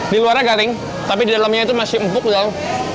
di luarnya garing tapi di dalamnya itu masih empuk dong